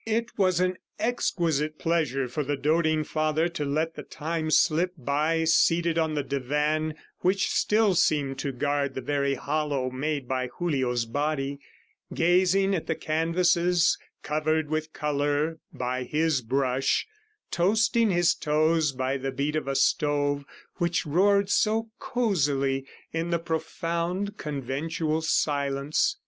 It was an exquisite pleasure for the doting father to let the time slip by seated on the divan which still seemed to guard the very hollow made by Julio's body, gazing at the canvases covered with color by his brush, toasting his toes by the beat of a stove which roared so cosily in the profound, conventual silence.